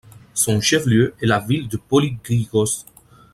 Son chef-lieu est la ville de Polýgyros.